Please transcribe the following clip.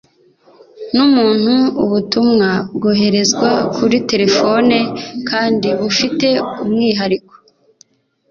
n'umuntu. ubutumwa bwoherezwa kuri terefone kandi bufite umwihariko